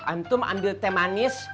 antum ambil teh manis